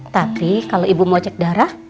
tapi kalau ibu mau cek darah